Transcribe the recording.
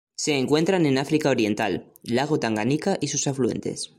Se encuentran en África Oriental: lago Tanganika y sus afluentes.